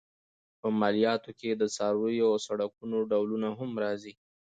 په مالیاتو کې د څارویو او سړکونو ډولونه هم راځي.